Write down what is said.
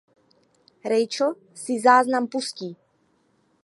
Rachel si záznam pustí.